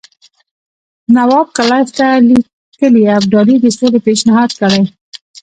نواب کلایف ته لیکلي ابدالي د سولې پېشنهاد کړی.